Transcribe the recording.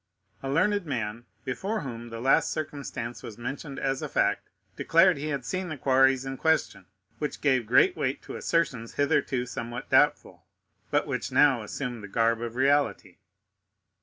A learned man, before whom the last circumstance was mentioned as a fact, declared he had seen the quarries in question, which gave great weight to assertions hitherto somewhat doubtful, but which now assumed the garb of reality.